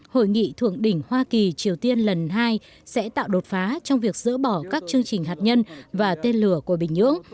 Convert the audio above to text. hội nghị thượng đỉnh hoa kỳ triều tiên lần hai sẽ tạo đột phá trong việc dỡ bỏ các chương trình hạt nhân và tên lửa của bình nhưỡng